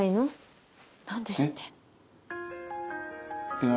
いや。